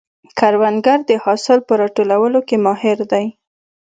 کروندګر د حاصل په راټولولو کې ماهر دی